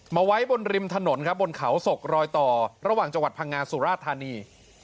ไว้บนริมถนนครับบนเขาศกรอยต่อระหว่างจังหวัดพังงาสุราธานี